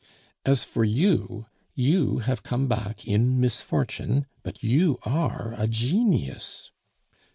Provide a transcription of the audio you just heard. As for you, you have come back in misfortune, but you are a genius."